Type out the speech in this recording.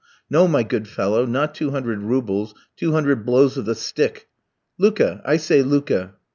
"No, my good fellow, not two hundred roubles, two hundred blows of the stick. Luka; I say Luka!"